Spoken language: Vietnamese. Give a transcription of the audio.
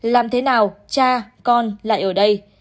làm thế nào cha con lại ở đây